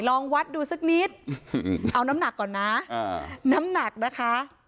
ลองวัดดูสักนิดเอาน้ำหนักก่อนนะน้ำหนักนะคะ